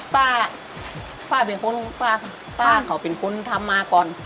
ป้าเป็นคนป้าค่ะป้าเขาเป็นคนทำมาก่อน